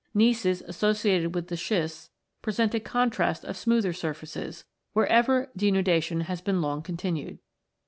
Gneisses associated with the schists present a contrast of smoother surfaces, wherever denudation has been long continued.